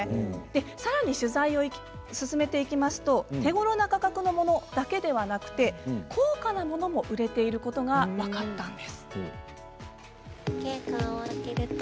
さらに取材を進めていきますと手ごろな価格のものだけではなく高価なものも売れていることが分かったんです。